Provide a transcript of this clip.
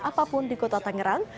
apapun di kota tangerang